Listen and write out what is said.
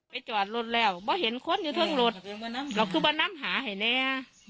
ไปจอดรถแล้วบ่เห็นคนอยู่ทางรถเราคือบ่น้ำหาเห็นเนี่ย